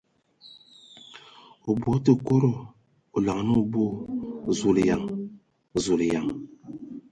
O bɔ tǝ kodo ! O laŋanǝ o boo !... Zulayan ! Zulǝyan!